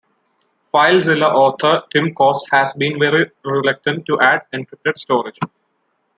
FileZilla author Tim Kosse has been very reluctant to add encrypted storage.